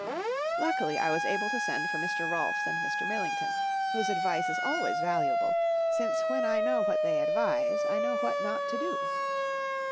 Luckily I was able to send for Mr. Rolfs and Mr. Millington, whose advice is always valuable, since when I know what they advise I know what not to do.